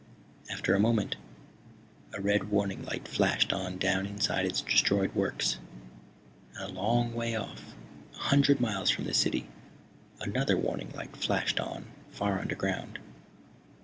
After a moment a red warning light flashed on down inside its destroyed works. And a long way off, a hundred miles from the city, another warning light flashed on, far underground.